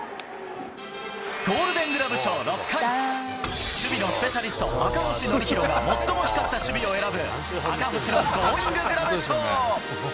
ゴールデングラブ賞６回、守備のスペシャリスト、赤星憲広が最も光った守備を選ぶ、赤星のゴーインググラブ賞。